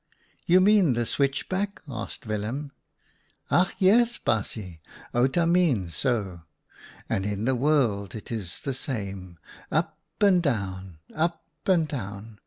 " You mean the switchback ?" asked Willem. " Ach, yes ! baasje, Outa means so. And in the world it is the same — up and down, up and down.